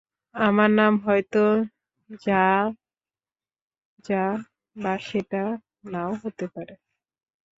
আমার নাম হয়তো যা যা, বা সেটা না-ও হতে পারে।